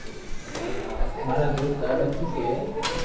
مارا دوست ڌاڌا خوݾ ھويا